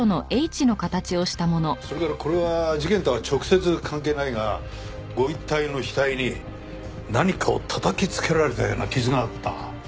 それからこれは事件とは直接関係ないがご遺体の額に何かを叩きつけられたような傷があった。